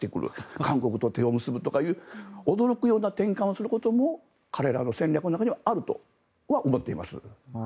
韓国と手を結ぶとかっていう驚くような転換をすることも彼らの戦略の中にはあるとは思っています。